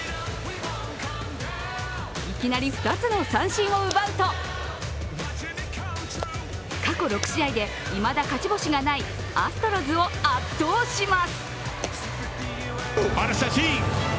いきなり２つの三振を奪うと過去６試合でいまだ勝ち星がないアストロズを圧倒します。